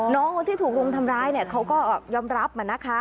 น้องที่ถูกรุมทำร้ายเนี่ยเขาก็ยอมรับมานะคะ